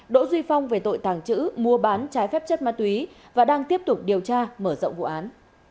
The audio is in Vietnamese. đỗ duy phong về tội tàng trữ mua bán trái phép chất ma túy và đang tiếp tục điều tra mở rộng vụ án